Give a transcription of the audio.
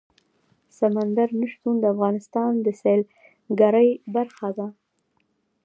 سمندر نه شتون د افغانستان د سیلګرۍ برخه ده.